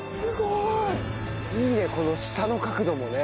いいねこの下の角度もね。